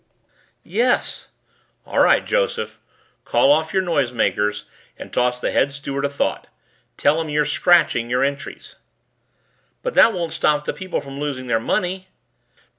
"Yes." "All right, Joseph. Call off your noisemakers and toss the Head Steward a thought. Tell him you're scratching your entries." "But that won't stop the people from losing their money."